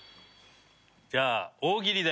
じゃあ大喜利で。